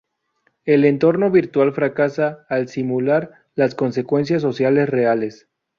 El entorno virtual fracasa al simular las consecuencias sociales reales.